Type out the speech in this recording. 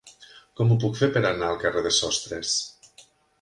Com ho puc fer per anar al carrer de Sostres?